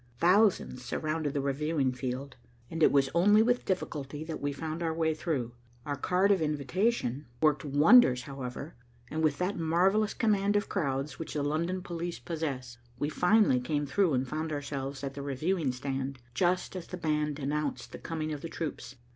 Thousands surrounded the reviewing field, and it was only with difficulty that we found our way through. Our card of invitation worked wonders, however, and with that marvellous command of crowds which the London police possess, we finally came through and found ourselves at the reviewing stand, just as the band announced the coming of the troops.